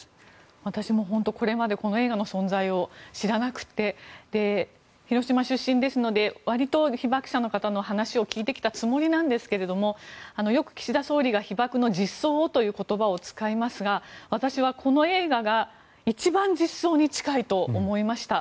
私も本当、これまでこの映画の存在を知らなくて、広島出身ですので割と被爆者の方の話を聞いてきたつもりなんですがよく、岸田総理が被爆の実相を、という言葉を使いますが私は、この映画が一番実相に近いと思いました。